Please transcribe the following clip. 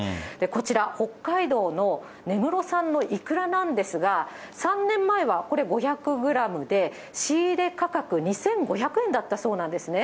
こちら、北海道の根室産のイクラなんですが、３年前はこれ５００グラムで、仕入れ価格２５００円だったそうなんですね。